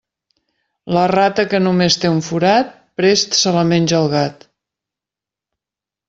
La rata que només té un forat, prest se la menja el gat.